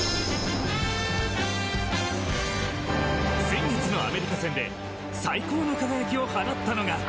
先月のアメリカ戦で最高の輝きを放ったのが。